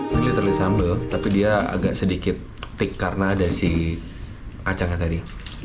ini literally sambal tapi dia agak sedikit tik karena ada si acangnya tadi